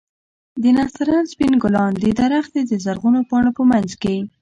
د نسترن سپين ګلان د درختې د زرغونو پاڼو په منځ کښې.